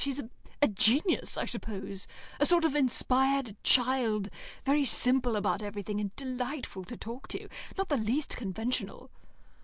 She's a genius, I suppose a sort of inspired child, very simple about everything, and delightful to talk to. Not the least conventional."